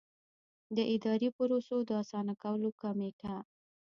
د اداري پروسو د اسانه کولو کمېټه.